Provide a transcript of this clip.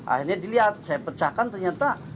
akhirnya dilihat saya pecahkan ternyata